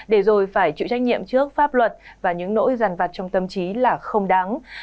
để rồi phải chịu trách nhiệm trước pháp luật và những nỗi ràn vặt trong tâm trí là không đáng